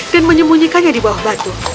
dan menyembunyikannya di bawah batu